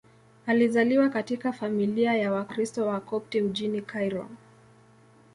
Alizaliwa katika familia ya Wakristo Wakopti mjini Kairo.